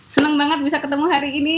senang banget bisa ketemu hari ini